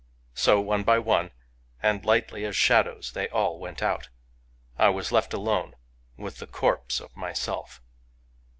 So, one by oiie, and lightly as shadows, they all went out I was left alone with the corpse of myself.